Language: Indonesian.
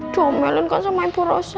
jomelan kan sama ibu rosa